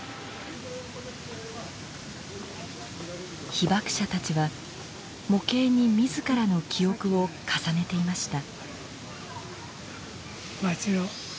被爆者たちは模型に自らの記憶を重ねていました。